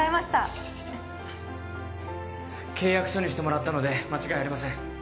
ちょちょ契約書にしてもらったので間違いありません